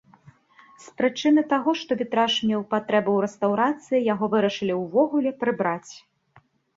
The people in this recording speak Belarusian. З прычыны таго, што вітраж меў патрэбу ў рэстаўрацыі, яго вырашылі ўвогуле прыбраць.